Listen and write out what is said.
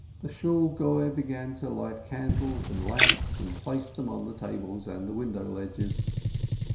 The Shool Goi began to light candles and lamps, and placed them on the tables and the window ledges.